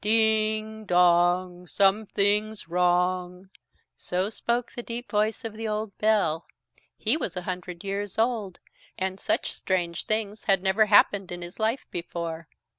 "Ding, dong Something's wrong." So spoke the deep voice of the old bell. He was a hundred years old, and such strange things had never happened in his life before.